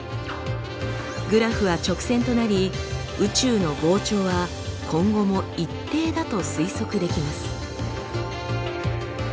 グラフは直線となり宇宙の膨張は今後も一定だと推測できます。